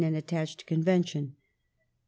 and attached convention.) iv.